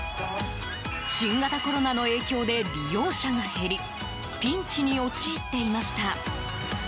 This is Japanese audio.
新型コロナの影響で利用者が減りピンチに陥っていました。